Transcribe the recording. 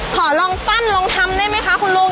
ขอลองปั้นลองทำได้ไหมคะคุณลุง